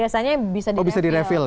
ya semuanya sih biasanya bisa direfill